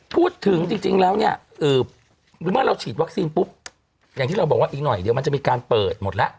พูดถึงจริงแล้วเนี่ยเมื่อเราฉีดวัคซีนปุ๊บอย่างที่เราบอกว่าอีกหน่อยเดี๋ยวมันจะมีการเปิดหมดแล้ว